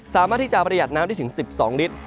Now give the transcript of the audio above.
สามารถที่จะประหยัดน้ำได้ถึง๑๒ลิตร